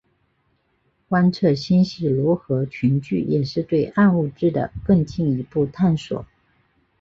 观测星系如何群聚也是对暗物质的更进一步探索。